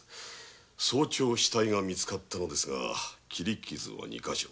早朝死体が見つかったのですが切り傷は二か所